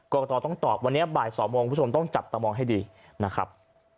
กรกตต้องตอบวันนี้บ่าย๒โมงคุณผู้ชมต้องจับตามองให้ดีนะครับ